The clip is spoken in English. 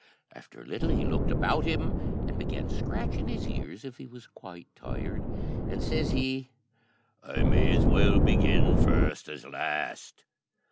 After a little he looked about him, and began scratching his ears as if he was quite tired, and says he, "I may as well begin first as last."